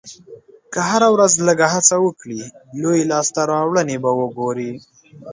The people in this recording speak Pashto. که هره ورځ لږه هڅه هم وکړې، لویې لاسته راوړنې به وګورې.